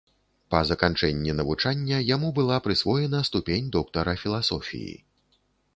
Па заканчэнні навучання яму была прысвоена ступень доктара філасофіі.